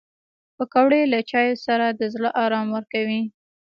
پکورې له چایو سره د زړه ارام ورکوي